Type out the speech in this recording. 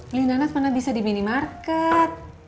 pilih nanas mana bisa di minimarket